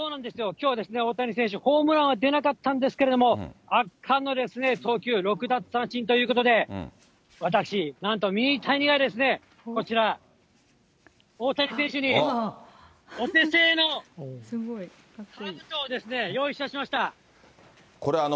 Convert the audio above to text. きょうは大谷選手、ホームランは出なかったんですけれども、圧巻の投球、６奪三振ということで、私、なんとミニタニはですね、こちら、大谷選手にお手製のかぶとを用意いたしました。